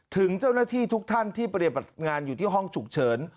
ถึงเจ้าหน้าที่ทุกท่านที่ปฏิบัติงานอยู่ที่ห้องฉุกเฉิน